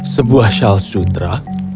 sebuah shal sutra